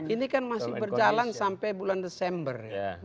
ini kan masih berjalan sampai bulan desember